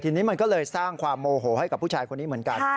ทีนี้มันก็เลยสร้างความโมโหให้กับผู้ชายคนนี้เหมือนกัน